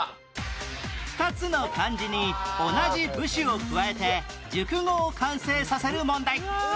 ２つの漢字に同じ部首を加えて熟語を完成させる問題